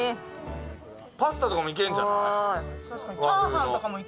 パスタとかもいけるんじゃない？